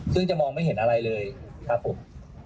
ซึ่งจะมองไม่เห็นอะไรเลยครับผม